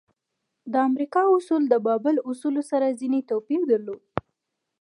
د امریکا اصول د بابل اصولو سره ځینې توپیر درلود.